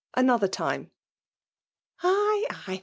'^ Another time. '' Ay, ay